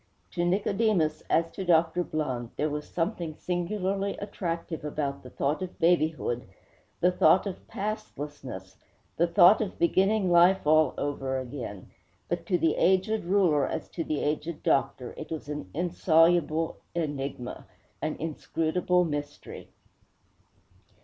To Nicodemus, as to Dr. Blund, there was something singularly attractive about the thought of babyhood, the thought of pastlessness, the thought of beginning life all over again. But to the aged ruler, as to the aged doctor, it was an insoluble enigma, an inscrutable mystery.